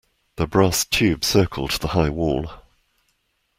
The brass tube circled the high wall.